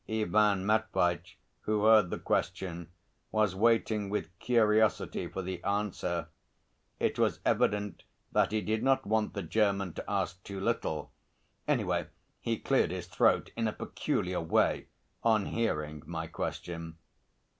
Ivan Matveitch, who heard the question, was waiting with curiosity for the answer; it was evident that he did not want the German to ask too little; anyway, he cleared his throat in a peculiar way on hearing my question.